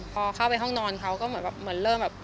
พอเข้าไปห้องนอนเขาก็เหมือนเริ่มแบบ